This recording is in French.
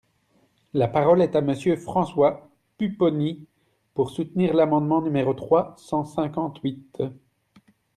La parole est à Monsieur François Pupponi, pour soutenir l’amendement numéro trois cent cinquante-huit.